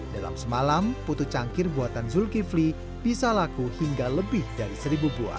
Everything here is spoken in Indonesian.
dalam semalam putu cangkir buatan zulkifli bisa laku hingga lebih dari seribu buah